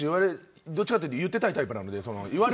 どっちかというと言っていたいタイプなので。